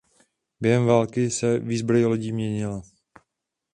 Během války se výzbroj lodí měnila.